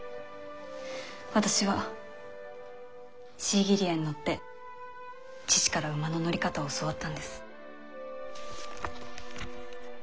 私はシーギリアに乗って父から馬の乗り方を教わったんです。